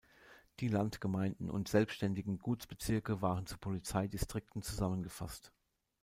Die Landgemeinden und selbstständigen Gutsbezirke waren zu Polizeidistrikten zusammengefasst.